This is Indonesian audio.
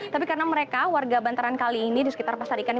tapi karena mereka warga bantaran kali ini di sekitar pasar ikan